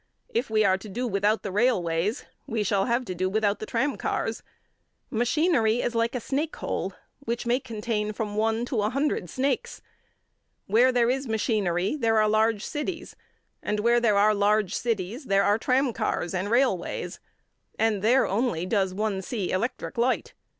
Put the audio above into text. If we are to do without the railways, we shall have to do without the tram cars. Machinery is like a snake hole which may contain from one to a hundred snakes. Where there is machinery there are large cities; and where there are large cities, there are tram cars and railways; and there only does one see electric light.